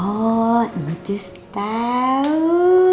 oh cus tau